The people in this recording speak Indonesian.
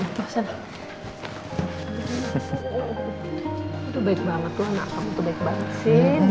kamu tuh baik banget